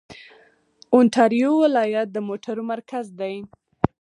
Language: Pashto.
اونټاریو ولایت د موټرو مرکز دی.